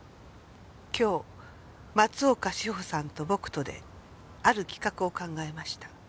「今日松岡志保さんと僕とである企画を考えました」